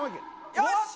よし！